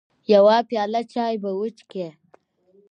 يوه پياله چاى به وچکې .